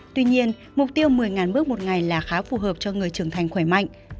tuy nhiên mục tiêu một mươi bước một ngày là khá phù hợp cho người trưởng thành khỏe mạnh